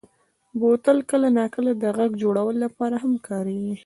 بوتل کله ناکله د غږ جوړولو لپاره هم کارېږي.